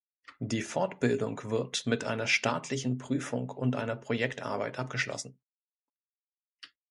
Die Fortbildung wird mit einer staatlichen Prüfung und einer Projektarbeit abgeschlossen.